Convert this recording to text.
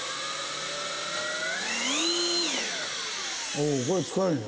おおこれ使える。